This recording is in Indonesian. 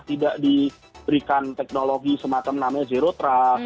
tidak diberikan teknologi semacam namanya zero trust